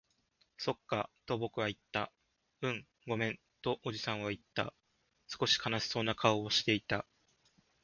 そっか、と僕は言った。うん、ごめん、とおじさんは言った。少し悲しそうな顔をしていた。